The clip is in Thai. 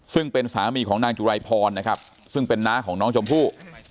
ซึ่งเป็นสามีของนางจุรายพรนะครับซึ่งเป็นน้าของน้องชมพู่